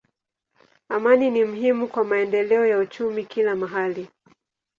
Amani ni muhimu kwa maendeleo ya uchumi kila mahali.